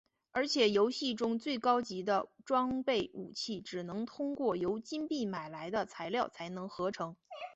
而且游戏中最高级的装备武器只能通过由金币买来的材料才能合成。